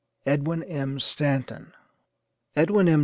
EDWIN M. STANTON. Edwin M.